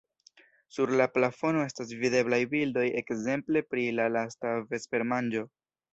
Sur la plafono estas videblaj bildoj ekzemple pri La lasta vespermanĝo.